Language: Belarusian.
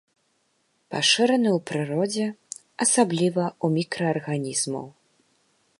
Пашыраны ў прыродзе, асабліва ў мікраарганізмаў.